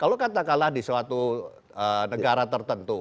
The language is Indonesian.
kalau katakanlah di suatu negara tertentu